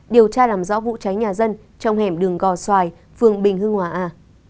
điều tra làm rõ vụ cháy nhà dân trong hẻm đường gò xoài phường bình hưng hòa a